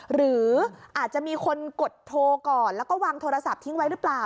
หรืออาจจะมีคนกดโทรก่อนแล้วก็วางโทรศัพท์ทิ้งไว้หรือเปล่า